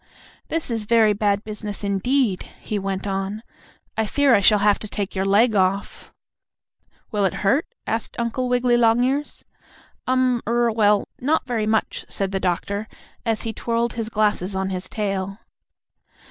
"This is very bad business, indeed," he went on. "I fear I shall have to take your leg off." "Will it hurt?" asked Uncle Wiggily Longears. "Um er well, not very much," said the doctor, as he twirled his glasses on his tail.